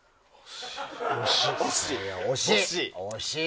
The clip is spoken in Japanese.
惜しい。